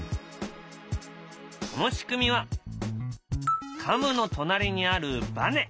その仕組みはカムの隣にあるばね。